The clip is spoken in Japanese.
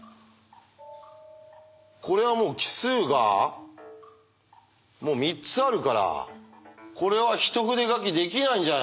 これはもう奇数が３つあるからこれは一筆書きできないんじゃないですか？